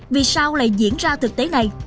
vì sao lại diễn ra thực tế này